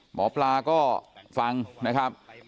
หมอปลาก็ฟังนะครับ